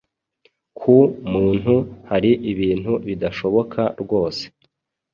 ku muntu, hari ibintu bidashoboka rwose,